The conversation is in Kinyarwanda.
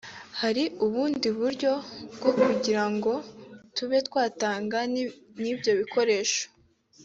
hari ubundi buryo bwo kugira ngo tube twatanga n’ ibyo bikoresho